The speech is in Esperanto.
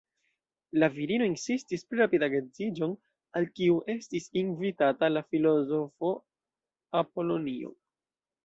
La virino insistis pri rapida geedziĝon, al kiu estis invitata la filozofo Apolonio.